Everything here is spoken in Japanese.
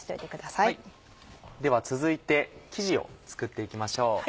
では続いて生地を作って行きましょう。